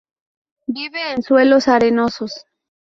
Vive en suelos arenosos.